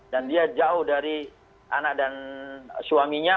dan dia jauh dari anak dan suaminya